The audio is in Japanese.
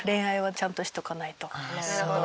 なるほど。